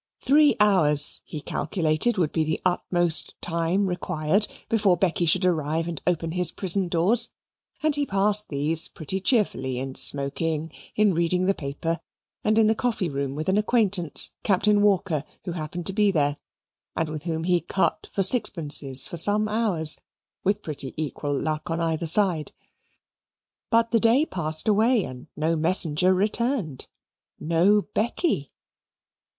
Three hours, he calculated, would be the utmost time required, before Becky should arrive and open his prison doors, and he passed these pretty cheerfully in smoking, in reading the paper, and in the coffee room with an acquaintance, Captain Walker, who happened to be there, and with whom he cut for sixpences for some hours, with pretty equal luck on either side. But the day passed away and no messenger returned no Becky.